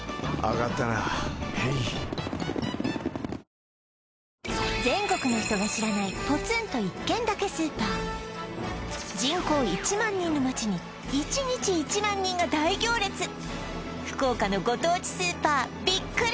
糖質ゼロ全国の人が知らないポツンと１軒だけスーパー人口１万人の街に１日１万人が大行列福岡のご当地スーパーびっくり